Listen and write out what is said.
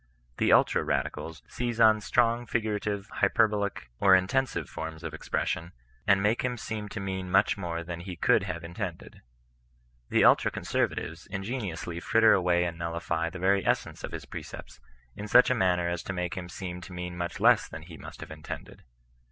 The ultra radicals seize on strong figurative, hyperbolic, or intensive forms of expression, and make him seem to mean miuih more than he could have intended. The tdtra conservatives ingeniously fritter away and nullify the venr essence of his precepts, in such a manner as to make him seem to mean much less than he mtcst have intended.